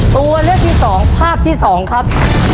ตัวเลือดที่สองภาพที่สองครับ